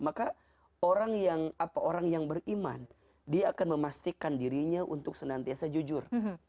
maka orang yang beriman dia akan memastikan dirinya untuk senantiasa jujur